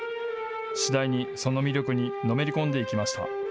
次第にその魅力にのめり込んでいきました。